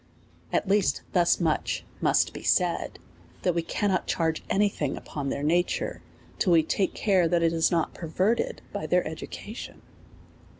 At least thus much must be said^ that we cannot charge any thing upon their nature^ till we take care that it is not perverted by their education.